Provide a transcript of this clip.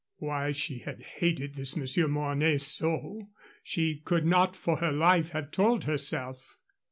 Why she had hated this Monsieur Mornay so she could not for her life have told herself.